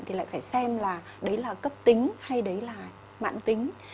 thì lại phải xem là đấy là cấp tính hay đấy là mạng tính